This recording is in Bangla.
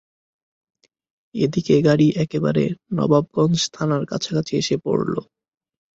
এদিকে গাড়ি একেবারে নবাবগঞ্জ থানার কাছাকাছি এসে পড়ল।